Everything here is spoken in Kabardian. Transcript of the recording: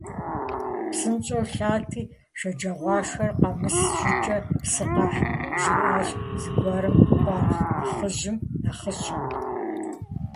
- ПсынщӀэу лъати шэджагъуашхэр къэмыс щӀыкӀэ псы къэхь, - жриӀащ зэгуэрым къуаргъ нэхъыжьым нэхъыщӀэм.